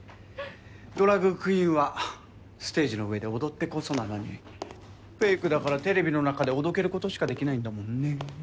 ドラァグクイーンはステージの上で踊ってこそなのにフェイクだからテレビの中でおどけることしかできないんだもんねぇ。